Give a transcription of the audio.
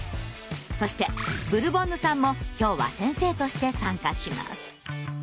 そしてブルボンヌさんも今日は先生として参加します。